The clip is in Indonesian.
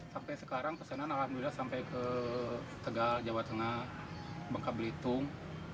sampai sekarang pesanan alhamdulillah sampai ke tegal jawa tengah bangka belitung